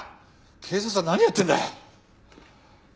警察は何やってんだ！？